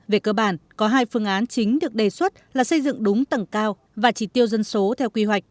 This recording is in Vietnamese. về cơ bản có hai phương án chính được đề xuất là xây dựng đúng tầng cao và chỉ tiêu dân số theo quy hoạch